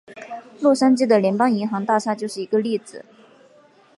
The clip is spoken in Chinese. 洛杉矶的联邦银行大厦就是一个例子。